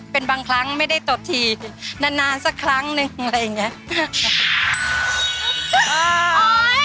เป็นบางครั้งไม่ได้ตบทีนานสักครั้งนึงอะไรอย่างนี้